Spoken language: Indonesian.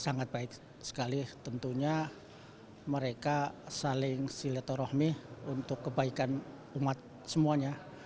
sangat baik sekali tentunya mereka saling silaturahmi untuk kebaikan umat semuanya